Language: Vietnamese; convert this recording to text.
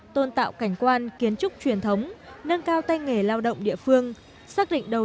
tôn tạo cảnh quan kiến trúc truyền thống nâng cao tay nghề lao động địa phương xác định đầu